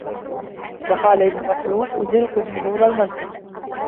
وَقَالَ ابْنُ مَسْعُودٍ أُنْذِرُكُمْ فُضُولَ الْمَنْطِقِ